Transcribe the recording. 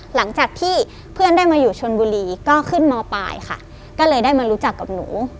หลังจากที่เพื่อนได้มาอยู่ชนบุรีก็ขึ้นมปลายค่ะก็เลยได้มารู้จักกับหนู